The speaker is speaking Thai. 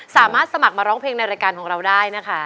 สามารถสมัครมาร้องเพลงในรายการของเราได้นะคะ